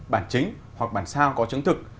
bản chính hoặc bản sao có chứng thực